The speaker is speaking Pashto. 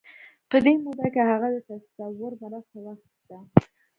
په دې موده کې هغه د تصور مرسته واخيسته.